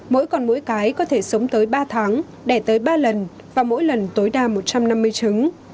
mỗi con mũi cái có thể sống tới ba tháng đẻ tới ba lần và mỗi lần tối đa một trăm năm mươi trứng